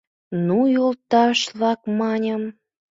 — Ну, йолташ-влак, маньым.